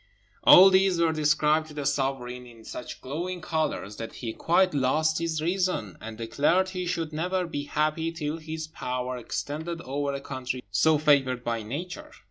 All these were described to the sovereign in such glowing colours that he quite lost his reason, and declared he should never be happy till his power extended over a country so favoured by Nature.